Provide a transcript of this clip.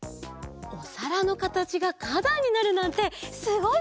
おさらのかたちがかだんになるなんてすごいそうぞうだね！